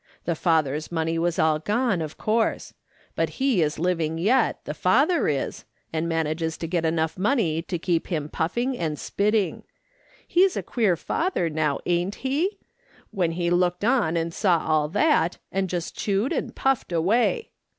The father's money was all gone, of course ; but he is living yet, the fatlier is, and manages to get enough money to keep him putting and spit ting. He's a queer father, now, ain't he ? when he looked on and saw all that, and just chewed and puffed away.